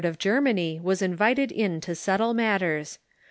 of Germany was invited in to settle matters.